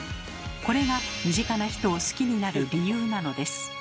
これが身近な人を好きになる理由なのです。